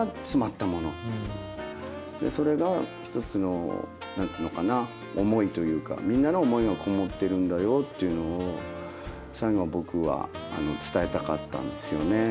でそれが一つの何つうのかな思いというかみんなの思いが籠もってるんだよというのを最後は僕は伝えたかったんですよね。